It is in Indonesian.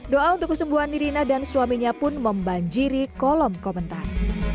doa untuk kesembuhan nirina dan suaminya pun membanjiri kolom komentar